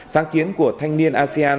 sáng kiến của thanh niên asean